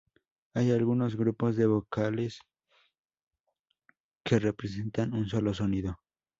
Hay algunos grupos de vocales que representan un solo sonido.